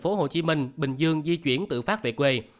nhiều người dân từ tp hcm bình dương di chuyển tự phát về quê